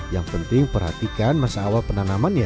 yang penting perhatikan masa awal penanamannya